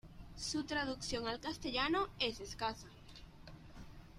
Su traducción al castellano es escasa.